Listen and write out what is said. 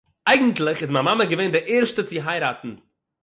אייגנטליך איז מיין מאַמע געווען די ערשטע צו הייראַטן